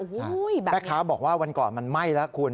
ใช่แม่ค้าบอกว่าวันก่อนมันไหม้แล้วคุณ